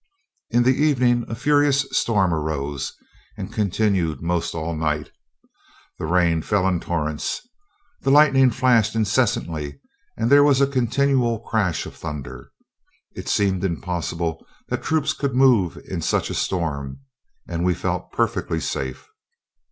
"In the evening a furious storm arose and continued most all night. The rain fell in torrents. The lightning flashed incessantly, and there was a continual crash of thunder. It seemed impossible that troops could move in such a storm, and we felt perfectly safe.